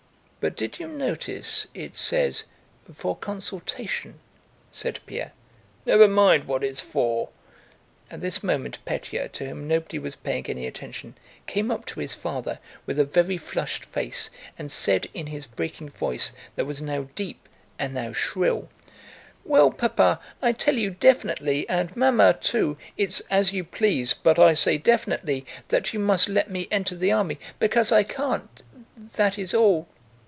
"But did you notice, it says, 'for consultation'?" said Pierre. "Never mind what it's for...." At this moment, Pétya, to whom nobody was paying any attention, came up to his father with a very flushed face and said in his breaking voice that was now deep and now shrill: "Well, Papa, I tell you definitely, and Mamma too, it's as you please, but I say definitely that you must let me enter the army, because I can't... that's all...."